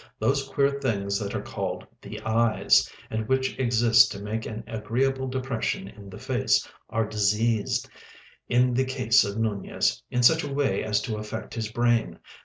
"Those queer things that are called the eyes, and which exist to make an agreeable depression in the face, are diseased, in the case of Nunez, in such a way as to affect his brain.